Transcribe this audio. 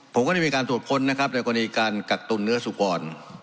ผมก็ได้มีการตรวจค้นนะครับในกรณีการกักตุนเนื้อสุกร